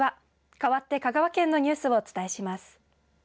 かわって香川県のニュースをお伝えします。